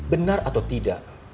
benar atau tidak